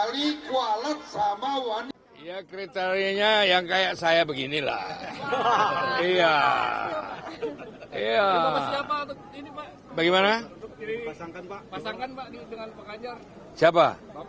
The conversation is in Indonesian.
pasangan pak dengan pak anja siapa